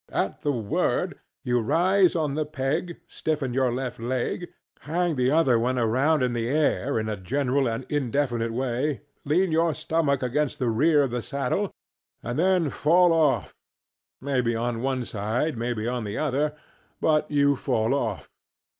At the word, you rise on the peg, stiffen your left leg, hang your other one around in the air in a general in indefinite way, lean your stomach against the rear of the saddle, and then fall off, maybe on one side, maybe on the other; but you fall off.